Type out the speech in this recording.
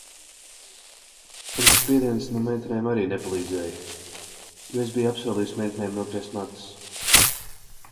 Un spiediens no meitenēm arī nepalīdzēja, jo es biju apsolījusi meitenēm nogriezt matus.